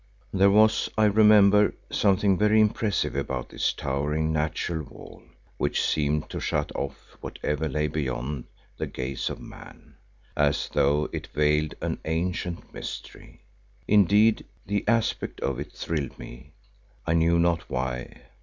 There was, I remember, something very impressive about this towering natural wall, which seemed to shut off whatever lay beyond the gaze of man, as though it veiled an ancient mystery. Indeed, the aspect of it thrilled me, I knew not why.